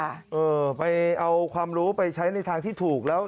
เออไปเอาความรู้ไปใช้ในทางที่ถูกแล้ว